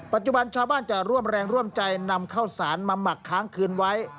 ปัจจุบันชาวบ้านจะร่วมแรงร่วมใจนำข้าวสารมาหมักค้างคืนไว้